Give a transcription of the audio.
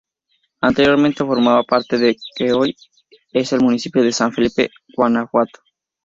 Anteriormente, formaba parte de lo que hoy es el Municipio de San Felipe, Guanajuato.